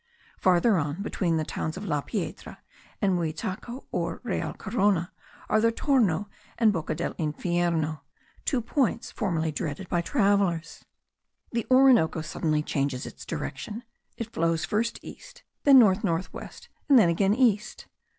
Farther on, between the towns of La Piedra and Muitaco, or Real Corona, are the Torno and Boca del Infierno, two points formerly dreaded by travellers. The Orinoco suddenly changes its direction; it flows first east, then north north west, and then again east.